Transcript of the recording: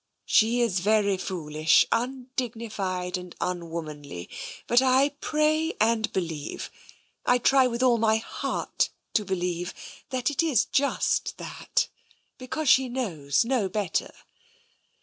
She is very foolish, undignified and unwomanly, but I pray and I believe — I try with all my heart to believe — that it is just that — because she knows no better.